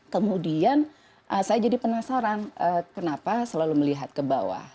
kemudian saya jadi penasaran kenapa selalu melihat ke bawah